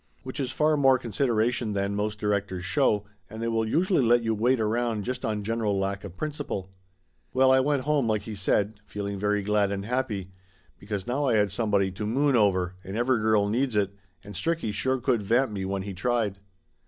Which is far more consideration than most directors show, and they will usually let you wait around just on general lack of principle. Well, I went home, like he said, feeling very glad and happy, because now I had somebody to moon over, and every girl needs it, and Stricky sure could vamp me when he tried.